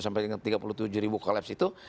sampai dengan tiga puluh tujuh ribu kolaps itu